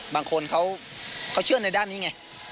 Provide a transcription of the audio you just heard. บางคนเขาเชื่อในด้านนี้ไง